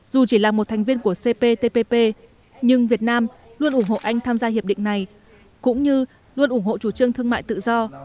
dù chỉ là một thành viên của cptpp nhưng việt nam luôn ủng hộ anh tham gia hiệp định này cũng như luôn ủng hộ chủ trương thương mại tự do